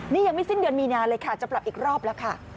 นี่ยังไม่สิ้นเดือนมีนาเลยค่ะจะปรับอีกรอบแล้วค่ะ